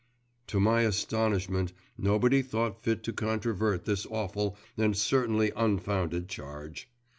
To my astonishment, nobody thought fit to controvert this awful and certainly unfounded charge!